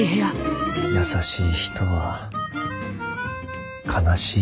優しい人は悲しい人です。